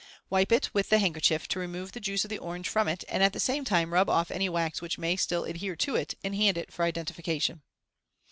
Wipe it with the handkerchief to remove the juice of the orange from it, and at the same time rub off any wax which may still adhere to it, and hand it for identification.